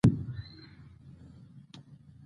نن علي په مجلس کې د ټولو خلکو کولمې ورشنې کړلې.